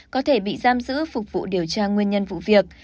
có thể bị giam giữ phục vụ điều tra nguyên nhân vụ việc